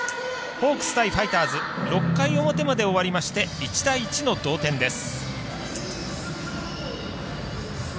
ホークス対ファイターズ６回の表まで終わりまして１対１の同点です。